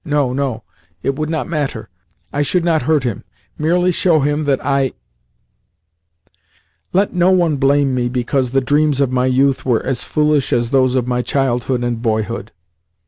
No, no, it would not matter; I should not hurt him, merely show him that I " Let no one blame me because the dreams of my youth were as foolish as those of my childhood and boyhood.